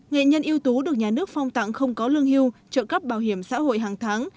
nghệ nhân yếu tố được nhà nước phong tặng không có lương hưu trợ cấp bảo hiểm xã hội hàng tháng